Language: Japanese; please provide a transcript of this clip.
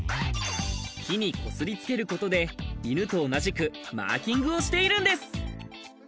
木に擦り付けることで、犬と同じくマーキングをしているんです。